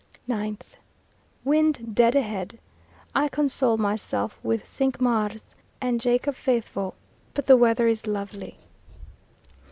9th. Wind dead ahead! I console myself with Cinq Mars and Jacob Faithful. But the weather is lovely.